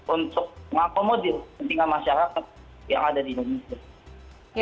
untuk mengakomodir pentingan masyarakat yang ada di indonesia